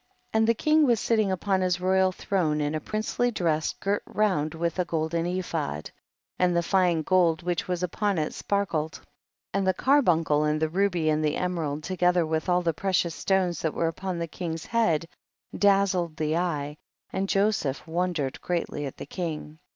42. And the king was sitting upon his royal throne in a princely dress girt round with a golden ephod, and tlie fine gold which was upon it sparkled, and the carbuncle and the ruby and the emerald, together with all the precious stones that were upon the king's head, dazzled the eye, and Joseph wondered greatly at the king.